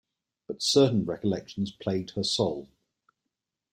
But certain recollections plagued her soul.